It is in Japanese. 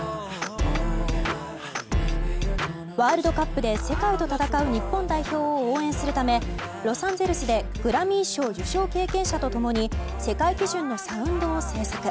ワールドカップで世界と戦う日本代表を応援するためロサンゼルスでグラミー賞受賞経験者と共に世界基準のサウンドを制作。